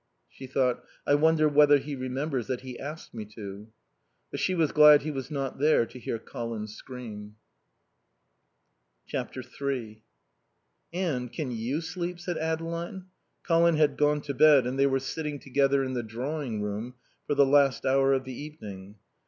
She thought: "I wonder whether he remembers that he asked me to." But she was glad he was not there to hear Colin scream. iii "Anne, can you sleep?" said Adeline. Colin had gone to bed and they were sitting together in the drawing room for the last hour of the evening.